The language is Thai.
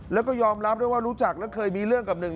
แล้วก็ยอมรับด้วยว่ารู้จักและเคยมีเรื่องกับหนึ่ง